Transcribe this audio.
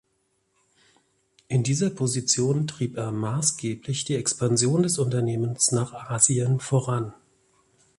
In dieser Position trieb er maßgeblich die Expansion des Unternehmens nach Asien voran.